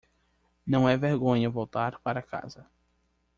Não é vergonha voltar para casa.